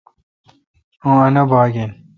اُن انّا با گ آں